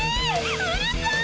うるさい！